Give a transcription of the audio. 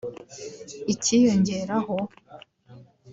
ikiyongeraho